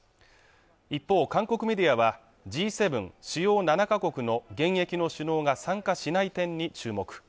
一方韓国メディアはＧ７＝主要７か国の現役の首脳が参加しない点に注目